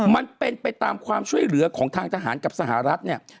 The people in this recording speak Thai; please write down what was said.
มันเป็นไปตามความช่วยเหลือของทางทหารกับสหรัฐเนี่ย